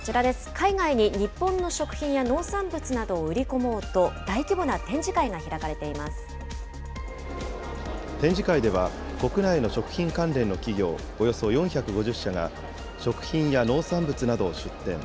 海外に日本の食品や農産物などを売り込もうと、大規模な展示会が展示会では、国内の食品関連の企業、およそ４５０社が食品や農産物などを出展。